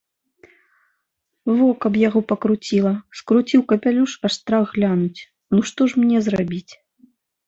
Во каб яго пакруціла, скруціў капялюш, аж страх глянуць, ну, што ж мне зрабіць?